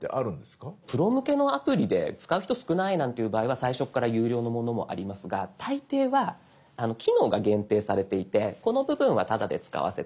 プロ向けのアプリで使う人少ないなんていう場合は最初から有料のものもありますが大抵は機能が限定されていて「この部分はタダで使わせてあげるよ」。